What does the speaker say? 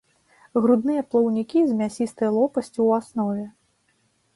Грудныя плаўнікі з мясістай лопасцю ў аснове.